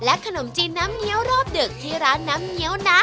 ขนมจีนน้ำเงี้ยวรอบดึกที่ร้านน้ำเงี้ยวนะ